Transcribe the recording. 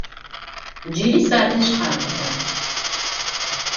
Cıri sadej khak'oba!